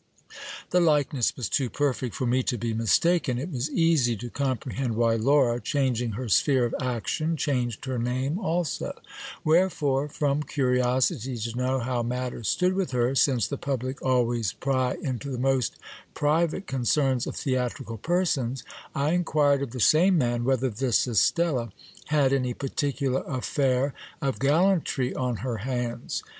The likeness was too perfect for me to be mistaken. It was easy to compre hend why Laura, changing her sphere of action, changed her name also ; where fore from curiosity to know how matters stood with her, since the public always pry into the most private concerns of theatrical persons, I inquired of the same man whether this Estella had any particular affair of gallantry on her hands.